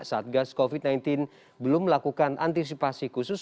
satgas covid sembilan belas belum melakukan antisipasi khusus